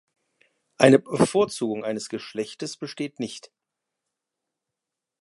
Eine Bevorzugung eines Geschlechtes besteht nicht.